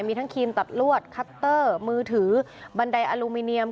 มีทั้งครีมตัดลวดคัตเตอร์มือถือบันไดอลูมิเนียม